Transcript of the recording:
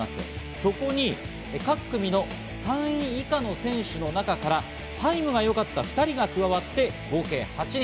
そこに各組の３位以下の選手の中からタイムのよかった２人が加わって合計８人。